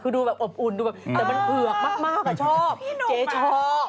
คือดูแบบอบอุ่นดูแบบแต่มันเผือกมากชอบเจ๊ชอบ